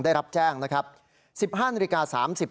ได้รับแจ้งนะครับ